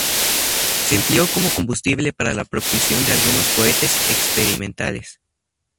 Se empleó como combustible para la propulsión de algunos cohetes experimentales.